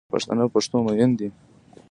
پښتانه په پښتو میین دی